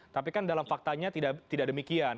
tapi kan dalam faktanya tidak demikian